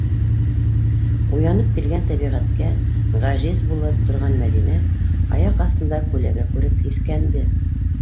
Уянып килгән тәбиғәткә ғажиз булып торған Мәҙинә аяҡ аҫтында күләгә күреп һиҫкәнде.